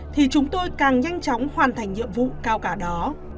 thì chúng tôi càng nhanh chóng hoàn thành nhiệm vụ cao cả đó